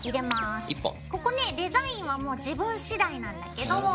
ここねデザインはもう自分次第なんだけど。